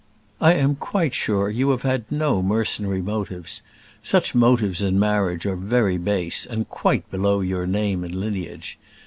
I am quite sure you have had no mercenary motives: such motives in marriage are very base, and quite below your name and lineage.